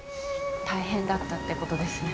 大変だったってことですね。